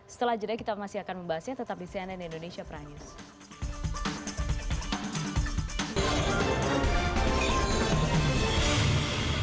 setelah jeda kita masih akan membahasnya tetap di cnn indonesia prime news